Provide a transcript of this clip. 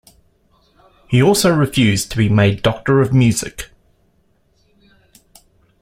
He also refused to be made doctor of music.